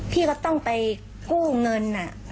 พี่ก็ต้องไปกู้เงิน